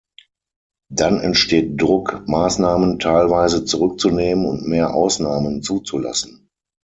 Dann entsteht Druck, Maßnahmen teilweise zurückzunehmen und mehr Ausnahmen zuzulassen.